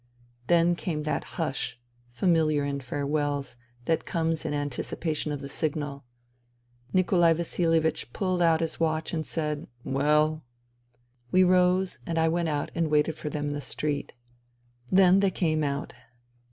Then came that hush, familiar in farewells, that comes in anticipation of the signal. Nikolai Vasilie vich pulled but his watch and said, " Well " We rose, and I went out and waited for them in the street. Then they came out.